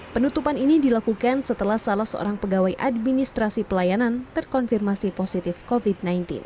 penutupan ini dilakukan setelah salah seorang pegawai administrasi pelayanan terkonfirmasi positif covid sembilan belas